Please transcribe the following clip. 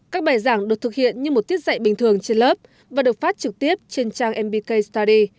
các bài giảng được thực hiện như một tiết dạy bình thường trên lớp và được phát trực tiếp trên trang mbk study